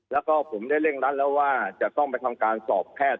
แล้วก็ผมได้เร่งรัดแล้วว่าจะต้องไปทำการสอบแพทย์